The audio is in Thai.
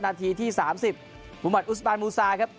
นาทีที่๓๐มุมัติอุสบานมูซาครับ